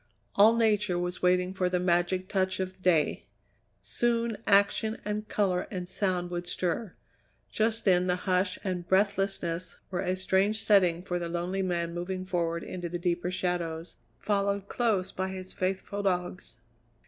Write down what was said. All nature was waiting for the magic touch of day; soon action and colour and sound would stir; just then the hush and breathlessness were a strange setting for the lonely man moving forward into the deeper shadows followed close by his faithful dogs.